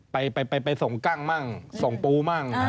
ไปส่งกั้งมั่งส่งปูมั่ง